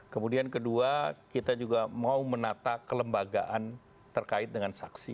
kemudian kedua kita juga mau menata kelembagaan terkait dengan saksi